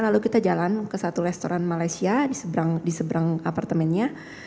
lalu kita jalan ke satu restoran malaysia diseberang apartemennya